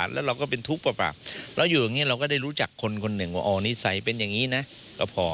เราก็ได้รู้จักคนคนหนึ่งว่าอ่อนิสัยเป็นอย่างนี้นะก็พอ